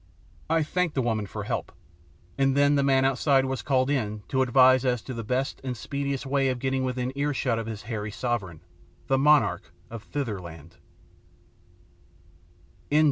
I thanked the woman for help, and then the man outside was called in to advise as to the best and speediest way of getting within earshot of his hairy sovereignty, the monarch of Thitherland.